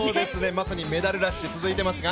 まさにメダルラッシュが続いていますが。